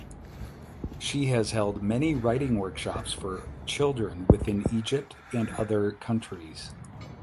She has held many writing workshops for children within Egypt and other countries.